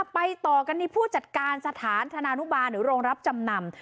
ไปต่อกันที่ผู้จัดการสถานธนานุบาลหรือโรงรับจำนำ